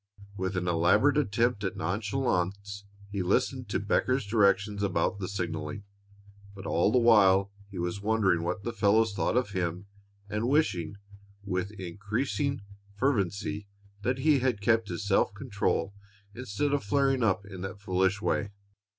With an elaborate attempt at nonchalance, he listened to Becker's directions about the signaling, but all the while he was wondering what the fellows thought of him and wishing, with increasing fervency, that he had kept his self control instead of flaring up in that foolish way.